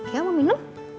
ya mau minum